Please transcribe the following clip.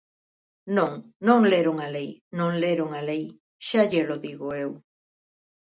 Non, non leron a lei, non leron a lei, xa llelo digo eu.